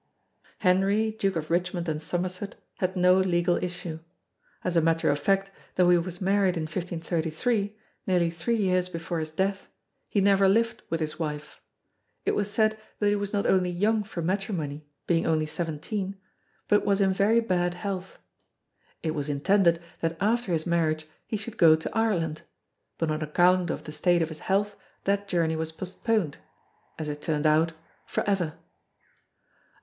Henry Duke of Richmond and Somerset had no legal issue. As a matter of fact though he was married in 1533, nearly three years before his death, he never lived with his wife. It was said that he was not only young for matrimony, being only seventeen; but was in very bad health. It was intended that after his marriage he should go to Ireland; but on account of the state of his health that journey was postponed as it turned out, for ever.